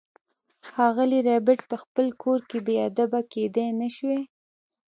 ښاغلی ربیټ په خپل کور کې بې ادبه کیدای نشوای